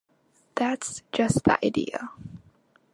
That's just the idea.